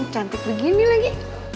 cantik begini lagi